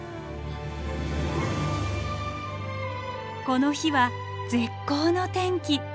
この日は絶好の天気。